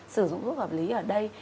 sử dụng thuốc hợp lý ở đây